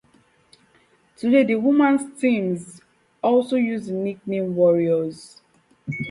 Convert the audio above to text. Today the women's teams also use the nickname Warriors.